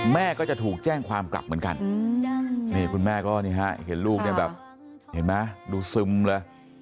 แม่ก็จะถูกแจ้งความกลับเหมือนกันนี่คุณแม่ก็นี่ฮะเห็นลูกเนี่ยแบบเห็นไหมดูซึมเลย